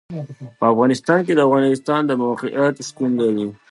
په افغانستان کې د افغانستان د موقعیت شتون لري.